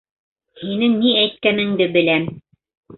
Һинең ни әйткәнеңде беләм.